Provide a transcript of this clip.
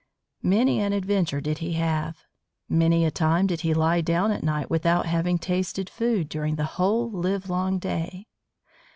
Many an adventure did he have. Many a time did he lie down at night without having tasted food during the whole livelong day.